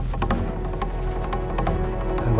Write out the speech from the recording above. saya ingin menemukan anda